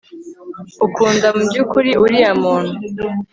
ukunda mubyukuri uriya munt